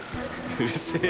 うるせえ。